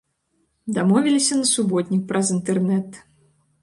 Дамовіліся на суботнік праз інтэрнэт.